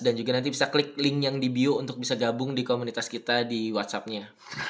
dan juga nanti bisa klik link yang di bio untuk bisa gabung di komunitas kita di whatsappnya